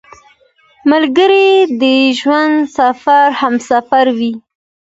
ملګری د ژوند سفر همسفر وي